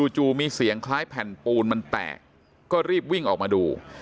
จู่มีเสียงคล้ายแผ่นปูนมันแตกก็รีบวิ่งออกมาดู